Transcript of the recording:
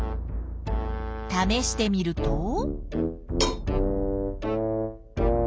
ためしてみると。